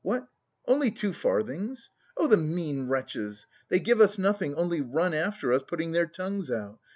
What, only two farthings! Oh, the mean wretches! They give us nothing, only run after us, putting their tongues out.